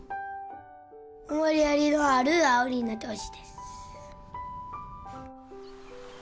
思いやりのある愛織になってほしいです。